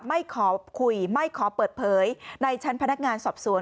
ไม่ขอคุยไม่ขอเปิดเผยในชั้นพนักงานสอบสวน